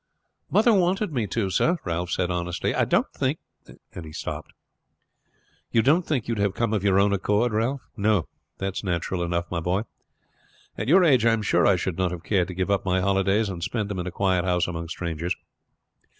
"Mother wanted me to, sir," Ralph said honestly. "I don't think " and he stopped. "You don't think you would have come of your own accord, Ralph? No, that is natural enough, my boy. At your age I am sure I should not have cared to give up my holidays and spend them in a quiet house among strangers.